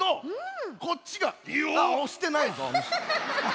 おしてないぞ。